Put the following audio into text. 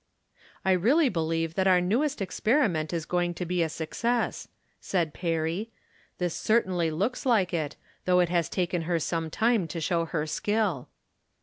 " I really believe that our newest experiment is going to be a success," said Perry ;" this cer tainly looks like it, though it has taken her some time to show her skill."